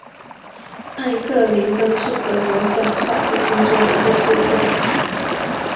艾克林根是德国下萨克森州的一个市镇。